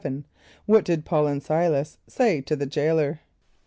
= What did P[a:]ul and S[=i]´las say to the jailor?